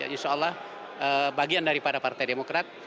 insya allah bagian daripada partai demokrat